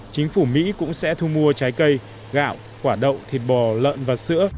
chính phủ mỹ cũng sẽ thu mua trái cây gạo quả đậu thịt bò lợn và sữa